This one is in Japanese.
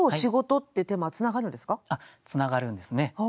つながるんですね。